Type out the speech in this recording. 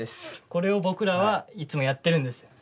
これを僕らはいつもやってるんです。